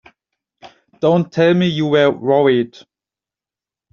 Don't tell me you were worried!